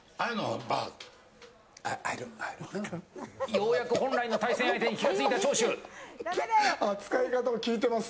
ようやく本来の対戦相手に気が付いた長州。